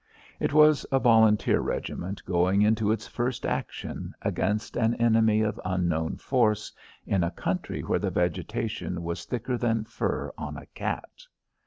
It was a volunteer regiment going into its first action, against an enemy of unknown force, in a country where the vegetation was thicker than fur on a cat.